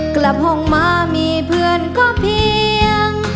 กลับห้องมามีเพื่อนก็เพียง